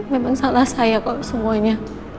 memang salah saya kok semuanya